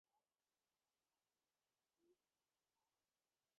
এইরূপ আমাদের ধর্মের ভিতরেও এক মহান সামঞ্জস্য আছে।